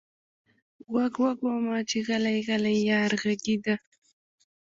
غوږ، غوږ ومه چې غلـــــــی، غلـــی یار غږېده